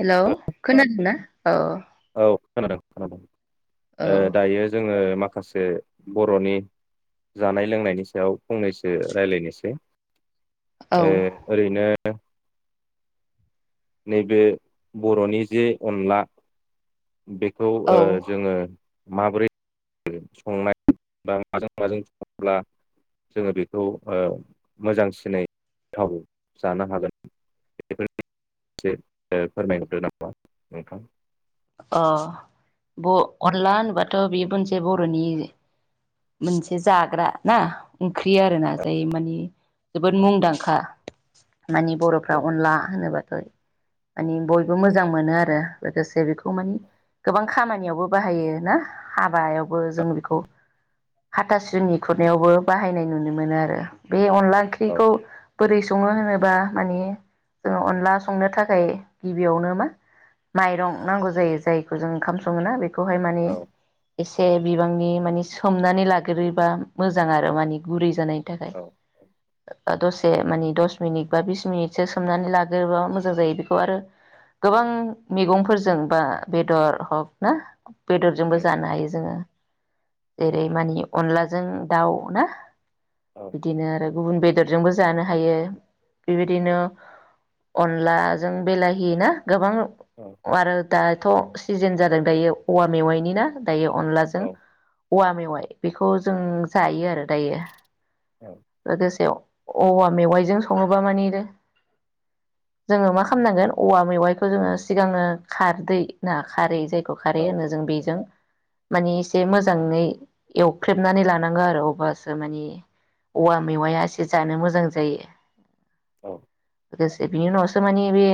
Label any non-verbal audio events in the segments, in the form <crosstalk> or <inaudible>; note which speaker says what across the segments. Speaker 1: Hello खोनादोंना औ।
Speaker 2: औ खोनादों खोनादों।
Speaker 1: औ
Speaker 2: ओ दायो जोङो माखासे। बर'नि जानाय लोंनायनि सायाव फंनैसो रायज्लायनोसै।
Speaker 1: औ
Speaker 2: ए ओरैनो। <unintelligible> नैबे बर'नि जे अनला। बेखौ
Speaker 1: औ
Speaker 2: ओ जोङो। माबोरै संनाय बा माजों माजों सङोब्ला जोङो बेखौ मोजांसिनै गोथाव जानो हागोन बेफोर। एसे फोरमायहरदो नामा नोंथां।
Speaker 1: अ ब अनला होनोबाथ' बे मोनसे बर'नि मोनसे जाग्रा ना ओंख्रि आरो ना जाय मानि। जोबोद मुंदांखा। माने
Speaker 2: औ
Speaker 1: बर'फ्रा अनला होनोबाय। माने बयबो मोजां मोनो आरो लोगोसे बेखौ। बेखौ माने गोबां खामानियावबो बाहायो ना हाबायावबो जों बेखौ हाथासुनि खुरनायावबो बाहायनाय नुनो मोनो आरो। बे अनला
Speaker 2: औ
Speaker 1: ओंख्रिखौ। बोरै सङो होनोबा माने जोङो अनला संनो थाखाय गिबियावनो मा माइरं। नांगौ जायो जायखौ जों ओंखाम सङोना बे खौहाय माने
Speaker 2: औ
Speaker 1: एसे बिब बिबांनि माने सोमनानै लाग्रोयोबा मोजां आरो माने गुरै जानाय थाखाय‌
Speaker 2: औ
Speaker 1: ओ ओ दसे मानि दस मिनिट बा बिस मिनिटसो सोमनानै लाग्रोबा मोजां जायो बेखौ आरो गोबां मैगंफोर जेनबा बेदर हक ना बेदरजोंबो
Speaker 2: उम
Speaker 1: जानो हायो जोङो जेरै मानि अनलाजों दाउ ना।
Speaker 2: औ
Speaker 1: बिदिनो आरो गुबुन बेद दरजोंबो जानो हायो बेबायदिनो अनलाजों बेलाहि ना।
Speaker 2: औ
Speaker 1: गोबां‌ दाथ' सिजोन जादों दायो औवा मेवाइनि ना। दायो अनलाजों
Speaker 2: औ
Speaker 1: औवा मेवाइ‌ बेखौ जों जायो आरो दायो।
Speaker 2: औ
Speaker 1: गोदोसेयाव। औवा मेवाइजों सङोबा माने जोङो मा खामनांगोन औवा मेवाइखौ जोङो सिगाङो खारदै ना खारै जायखौ खारै होनो जों बेजों माने एसे मोजाङै एवख्रेबनानै लानांगो आरो अब्लासो माने औवा मेवाइया एसे जानो मोजां जायो।
Speaker 2: औ
Speaker 1: लोगोसे बेनि उनावसो माने बे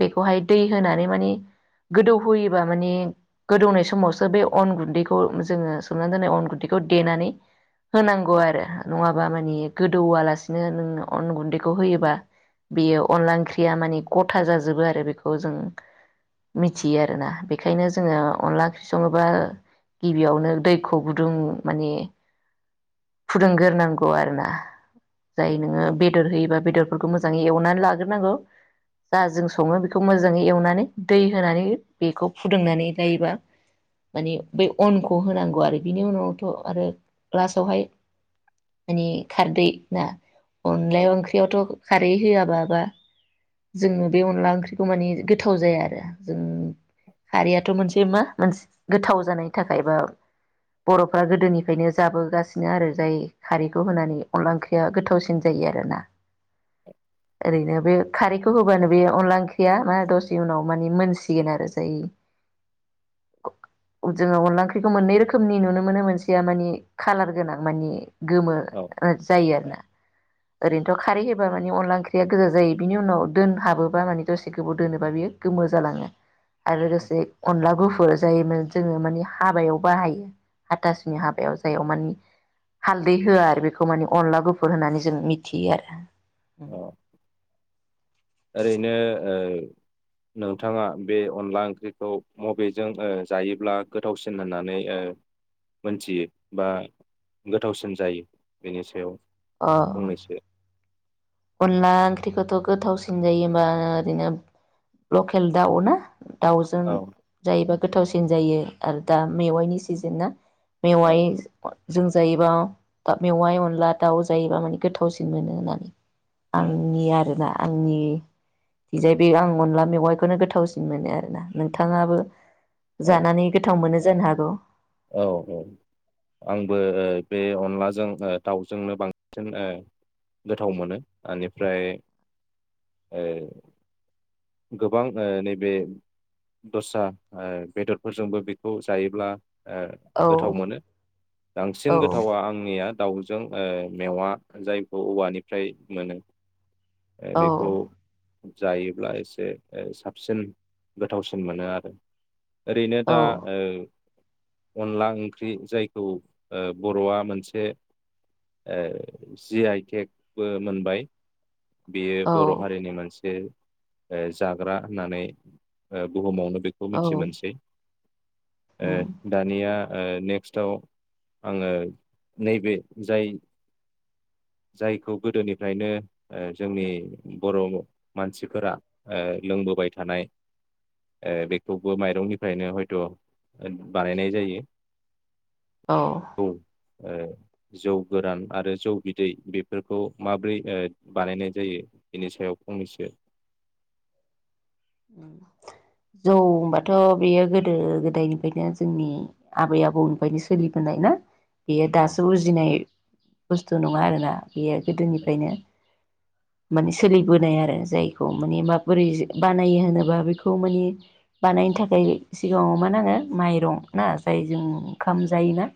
Speaker 1: बेखौहाय दै‌ होनानै माने गोदौ होयोबा माने गोदौनाय समावसो बे अन गुन्दैखौ जोङो सोमनानै दोननाय अन गुन्दैखौ देनानै होनांगौ आरो नङाबा माने गोदौवालासिनो नों अन गुन्दैखौ होयोबा बेयो अनला ओंख्रिया माने गथा जाजोबो आरो बेख खौ जों मिथियो आरोना बेखायनो जोङो अनला ओंख्रि सङोबा गिबियावनो दैखौ गुदुं माने फुदुंगोरनांगौ आरोना जाय
Speaker 2: उम
Speaker 1: नोङो बेदर होयोबा बेदर मोजाङै एवनानै लागोरनांगौ जा जों सङो बेखौ खौ मोजाङै एवनानै दै होनानै बेखौ फुदुंनानै लायोबा माने बै अनखौ होनांगौ आरो बेनि उनावथ आरो लासावहाय माने खारदै ना अनला
Speaker 2: औ
Speaker 1: ओंख्रियावथ खार दै होआबाबा जोंनो बे अनला ओंख्रि माने गोथाव जाया आरो जों खारैयाथ मोनसे मा मोनसे गोथाव जानायनि थाखाय बा बर'फ्रा गोदोनिफ्रायनो जाबोगासिनो आरो जाय खारैखौ होनानै अनला ओंख्रिया गोथावसिन जायो आरोना ओरैनो बे खारैखौ होबानो बे अनला ओंख्रि या मा दसे उनाव माने मोनसिगोन आरो जाय जोङो अनला ओंख्रिखौ मोननै रोखोमनि नुनो मोनो मोनसेया मानि खालार गोनां मानि गोमो
Speaker 2: औ
Speaker 1: जायो आरोना ओरैनोथ खारै होबा माने अनला ओंख्रिया गोजा जायो बिनि उनाव दोन हाबोब्ला माने दसे गोबाव दोनोबा बियो गोमो जालाङो आरो लोगोसे अनला गुफुर जायोमोन जोङो माने हाबायाव बाहायो हाथासुनि हाबायाव जाय अ मानि हालदै होआ आरो बेखौ माने अनला गुफुर होनानै जों मिथियो आरो
Speaker 2: अ नोंथाङा बे अनला ओंख्रिखौ मबेजों ओ जायोब्ला गोथावसिन होननानै ओ मोनथियो बा गोथावसिन जायो बेनि सायाव
Speaker 1: अ
Speaker 2: फंनैसो
Speaker 1: अनला ओंख्रिखौथ' गोथावसिन जायो होमबा ओरैनो लकेल दाउ ना। दाउजों
Speaker 2: औ
Speaker 1: जायोबा गोथावसिन जायो आरो दा मेवाइनि सिजेनना।
Speaker 2: औ
Speaker 1: मेवाइ जों जायोबा मेवाइ अनला दाउ जायोबा माने गोथावसिन मोनो होननानै
Speaker 2: औ
Speaker 1: आंनि आरोना। आंनि दि जाय बे आं अनला मेगाइखौनो गोथावसिन मोनो आरोना नोंथाङाबो
Speaker 2: औ
Speaker 1: जानानै गोथाव मोनो जानो हागौ।
Speaker 2: औ औ आंबो बे अनलाजों ओ दाउजोंनो बांसिन ओ गोथाव मोनो इनिफ्राय ओ गोबां ओ नैबे दस्रा ओ बेदरफोरजोंबो बेखौ जायोब्ला ओ
Speaker 1: औ
Speaker 2: गोथाव मोनो बांसिन
Speaker 1: औ
Speaker 2: गोथावा आंनिया दाउजों ओ मेवा जायखौ औवानिफ्राय मोनो।
Speaker 1: औ
Speaker 2: बेखौ जायोब्ला एसे ओ साबसिन गोथावसिन मोनो आरो। ओरैनो दा
Speaker 1: औ
Speaker 2: ओ अनला ओंख्रि जायखौ ओ बर'आ मोनसे ओ जि आइ तेग बो मोनबाय। बेयो बर'
Speaker 1: औ
Speaker 2: हारिनि मोन ओ जाग्रा होननानै ओ बुहुमावनो बेखौ मिथि मोनसै ओ ओ ओ नेक्स्टआव आङो नैबे जाय जायखौ गोदोनिफ्रायनो ओ जोंनि बर' मानसिफोरा ओ लोंबोबाय थानाय ओ बेखौबो माइरंनिफ्रायनो हयथ' बानायनाय जायो।
Speaker 1: अ।
Speaker 2: औ ओ जौ गोरान आरो जौ बिदै बेफोरखौ माब्रै ओ बानायनाय जायो बेनि सायाव फंनैसो
Speaker 1: जौ होमबाथ' बेयो गोदो गोदायनिफायनो जोंनि आबै आबौनिफायनो सोलिबोनाय ना। बियो
Speaker 2: औ
Speaker 1: दासो उजिनाय बुस्थु नङा आरोना। बेयो गोदोनिफायनो माने सोलिबोनाय आरो जायखौ माने माबोरै बानायो होनोबा बेखौ माने बानायनो थाखाय सिगाङाव मा नाङो माइरं ना जायजों ओंखाम जायोना।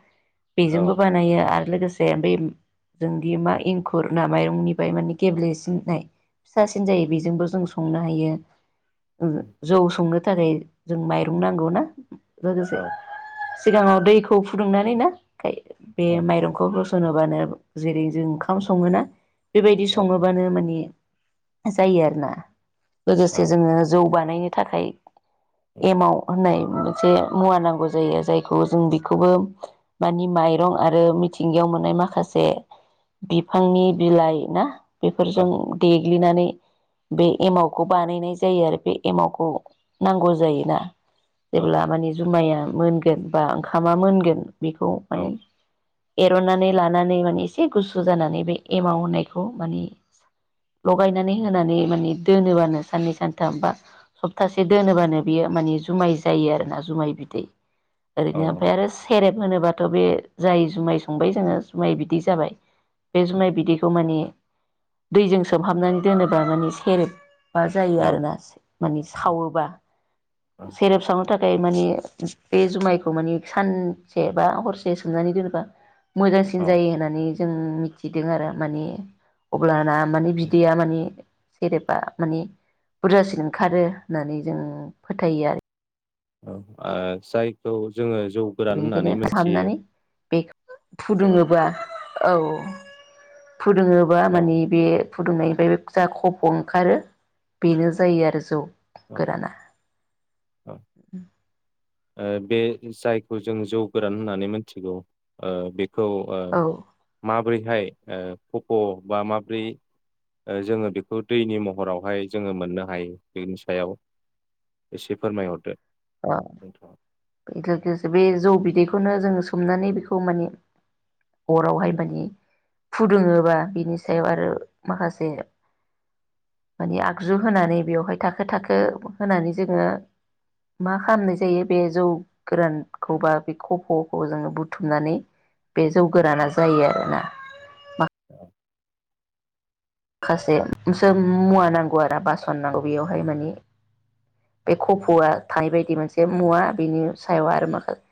Speaker 2: औ
Speaker 1: बेजोंबो बानायो आरो लोगोसे <unintelligible> जोंदि मा एंखुर ना माइरंनिफ्राय माने गेब्लेसिननाय फिसासिन जायो बेजोंबो जों संनो हायो। जौ नो थारै जों माइरं नांगौ ना। लोगोसे
Speaker 2: औ
Speaker 1: सिगाङाव दै खौ फुदुंनानै ना। खाय बे
Speaker 2: औ
Speaker 1: माइरंखौ होस'नोबानो जेरै जों ओंखाम सङोना? बेबायदि
Speaker 2: औ
Speaker 1: सङोबानो माने जायो आरोना
Speaker 2: औ
Speaker 1: लोगोसे जोङो जौ बानायनो थाखाय
Speaker 2: औ
Speaker 1: एमाव होननाय मोनसे मुवा नांगौ जायो जायखौ जों बेखौबो मानि माइरं आरो मिथिंगायाव मोननाय माखासे बिफांनि बिलाइ ना बेफोरजों दे ग्लिनानै बे एमावखौ बानायनाय जायो आरो बे एमावखौ नांगौ जायोना।
Speaker 2: औ
Speaker 1: जेब्ला माने जुमाया मोनगोन बा ओंखामा मोनगोन बेखौ
Speaker 2: औ
Speaker 1: माने एर'ननानै लानानै माने एसे गुसु जानानै बे एमाव होननायखौ माने लगायनानै होनानै माने दोनोबानो साननै सानथाम बा सप्तासे दोनोबानो बियो माने जुमाय जायो आरोना जुमाय बिदै। ओरैनो ओमफाय आरो सेरेब होनोबाथ' बे जाय जुमाय संबाय जोङो जुमाय बिदै जाबाय बे जुमाय बिदैखौ माने दैजों सोमहाबनानै दोनोबा माने सेरेब बा जायो
Speaker 2: औ
Speaker 1: आरोना माने से खावोबा सेरेब साव नो थाखाय माने बे जुमायखौ माने सानसे बा हरसे सोमनानै दोनोबा मोजांसिन जायो होननानै जों मिथिदों आरो माने अब्लाना माने बिदैया माने सेरेबा माने बुरजासिन ओंखारो होननानै जों फोथायो आरो।
Speaker 2: औ ओ जायखौ जोङो जौ गोरान होननानै मोनथियो
Speaker 1: फुदुंङोबा औ फुदुंङोबा
Speaker 2: औ
Speaker 1: माने बे फुदुंनायनिफाय बे जा खफ' ओंखारो बेनो जायो आरो जौ
Speaker 2: औ
Speaker 1: गोराना।
Speaker 2: औ ओ बे जायखौ जों जौ गोरान होननानै मोनथिगौ ओ बे खौ ओ
Speaker 1: औ
Speaker 2: मा बोरैहाय ओ खफ' बा माब्रै ओ जोङो बेखौ दैनि महरावहाय जोङो मोननो हायो बेनि सायाव एसे फोरमायहरदो।
Speaker 1: अ
Speaker 2: नोंथाङा।
Speaker 1: बेल बे जौ बिदैखौ <inaudible> बेखौनो जोङो सोमनानै बेखौ माने अरावहाय माने फुदुङोबा बिनि सायाव आरो माखासे माने आगजु होनानै बेवहाय थाखो थाखो होनानै जोङो मा खालामनाय जायो बे जौ गोरानखौ बा बे खफ'खौ जोङो बुथुमनानै बे जौ गोराना जायो आरोना मा खासे सो मुवा नांगौ आरो बासन नांगौ बेयावहाय माने बे खफ'आ थानाय बायदि मोनसे मुवा बेनि सायाव आरो माखासे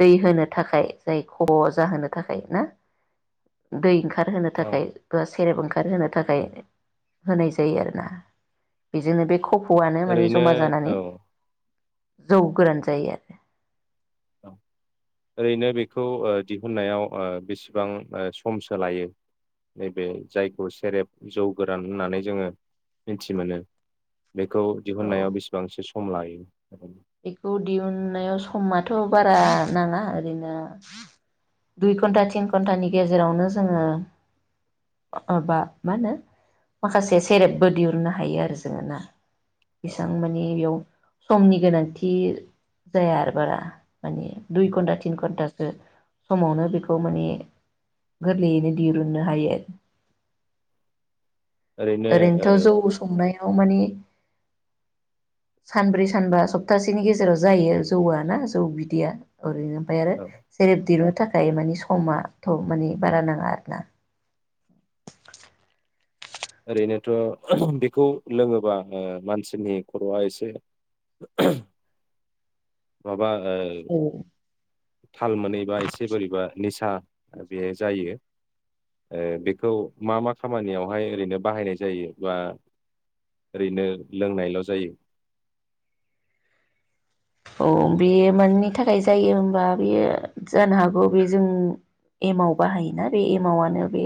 Speaker 1: दै होनो थाखाय जाय ख' जाहोनो थाखाय ना दै ओं खार होनो
Speaker 2: औ
Speaker 1: थाखाय सेरेब ओंखार होनो थाखाय होनाय जायो आरोना बेजोंनो बे खफ'आनो माने
Speaker 2: ओरैनो
Speaker 1: जमा
Speaker 2: औ।
Speaker 1: जौ गोरान जायो आरो।
Speaker 2: ओरैनो बेखौ ओ दिहुननायाव ओ बेसेबां ओ समसो लायो नैबे जायखौ सेरेब जौ गोरान होननानै जोङो मिथि मोनो। बेखौ दिहुननायाव
Speaker 1: औ
Speaker 2: बेसेबांसो सम लायो? <inaudible>
Speaker 1: बेखौ दिहुनन्नायाव समथ' बारा नाङा ओरैनो दुइ घन्टा थिन घन्टानि गेजेरावनो जोङो माबा मा होनो माखासे सेरेबबो दिहुननो हायो आरो जोङो ना। बेसां मानि बेयाव समनि गोनां थिर जाया आरो बारा माने दुय घण्टा थिन घण्टासो समावनो बेखौ माने गोरलैयैनो दिरुननो हायो।
Speaker 2: ओरैनो ओ
Speaker 1: ओरैनोथ' जौ संनायाव मानि सानब्रै सानबा सब सप्तासेनि गेजेराव जायो जौआ ना जौ बिदैया। ओरैनो ओमपाय आरो
Speaker 2: औ
Speaker 1: जेरै दिरुं थाखाय मानि समथ' माने बारा नाङा आरोना।
Speaker 2: ओरैनोथ' बिखौ लोङोबा ओ मानसिनि खर'आ एसे बा ओ थाल मोनैबा एसे बोरैबा निसा बे जायो ओ बेखौ मा मा खामानियावहाय ओरैनो बाहायनाय जायो बा ओरैनो लोंनायल' जायो?
Speaker 1: औ बे माननि थाखाय जायो होमबा बेयो जानो हागौ बे जों एमाव बाहायोना बे एमावानो बे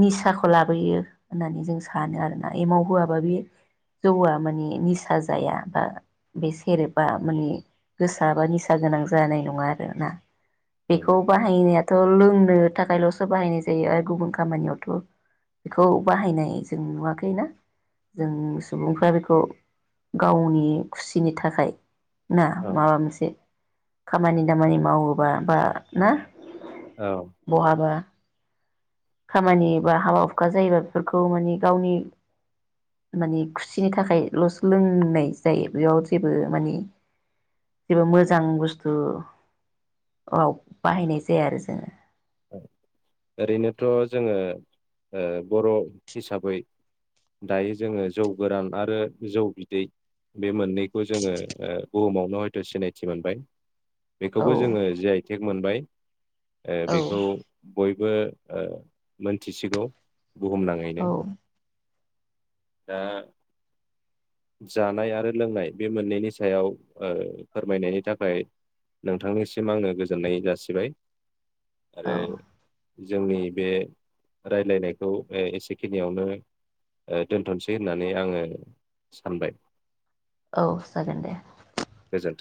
Speaker 1: निसाखौ लाबोयो होननानै जों सानो आरोना एमाव होआबा बे जौआ माने निसा जाया बा बे सेरेबा माने गोसा बा निसा गोनां जानाय नङा आरो ना।
Speaker 2: उम
Speaker 1: बेखौ बाहायनो थ' लोंनो थाखायल'सो बाहायनाय जायो आरो गुबुन खामानियावथ' बेखौ बाहायनाय जों नुवाखै ना जों सुबुंफ्रा बेखौ गावनि खुसिनि थाखाय ना
Speaker 2: औ
Speaker 1: माबा मोनसे। खामानि दामानि मावोबा बा ना?
Speaker 2: औ
Speaker 1: बहाबा खामानि बा हाबा हुखा जायोबा बेफोरखौ माने गावनि मानि खुसिनि थाखायल'सो लोंनाय जायो बेयाव जेबो मानि जेबो मोजां बुस्थु आव बाहायनाय जाया आरो जोङो।
Speaker 2: ओरैनोथ' जोङो ओ बर' हिसाबै दायो जोङो जौ गोरान आरो जौ बिदै बे मोननैखौ जोङो बुहुमावनो हयथ' सिनायथि मोनबाय। बेखौबो जोङो जि आइ टेग मोनबाय। ओ
Speaker 1: औ
Speaker 2: बेखौ बयबो ओ मोनथिसिगौ। बुहुमनाङैनो।
Speaker 1: औ
Speaker 2: दा जानाय आरो लोंनाय बे मोननैनि सायाव ओ फोरमायनायनि थाखाय नोंथांनिसिम आङो गोजोननाय जासिबाय।
Speaker 1: औ
Speaker 2: आरो जोंनि बे रायलायनायखौ ओ एसेखिनियावनो ओ दोनथ'सै होननानै आङो सानबाय।
Speaker 1: औ जागोन दे।
Speaker 2: गोजोन्थों।